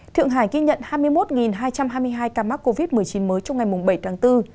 thượng hải ghi nhận hai mươi một hai trăm hai mươi hai ca mắc covid một mươi chín mới trong ngày bảy tháng bốn